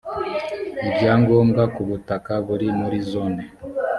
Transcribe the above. ibya ngombwa ku butaka buri muri zone